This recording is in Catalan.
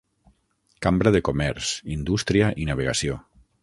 Cambra de comerç, indústria i navegació.